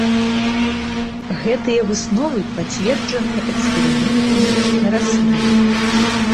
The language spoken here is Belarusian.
Гэтыя высновы пацверджаныя эксперыментамі на раслінах.